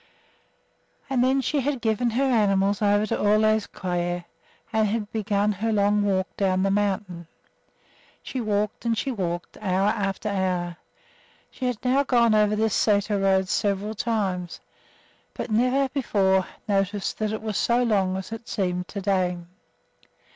And then she had given her animals over to Ole's care and had begun her long walk down the mountain. She walked and she walked, hour after hour. She had now gone over this sæter road several times, but had never before noticed that it was so long as it seemed to day.